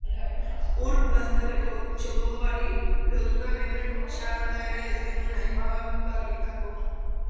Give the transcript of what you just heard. Ur bazterreko txopoari lotua genuen xalanta ere ez genuen apaingarritako.